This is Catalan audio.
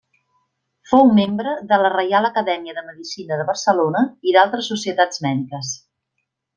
Fou membre de la Reial Acadèmia de Medicina de Barcelona i d’altres societats mèdiques.